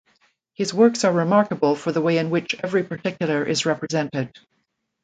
His works are remarkable for the way in which every particular is represented.